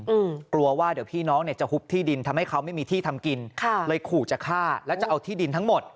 อืมกลัวว่าเดี๋ยวพี่น้องเนี้ยจะหุบที่ดินทำให้เขาไม่มีที่ทำกินค่ะเลยขู่จะฆ่าแล้วจะเอาที่ดินทั้งหมด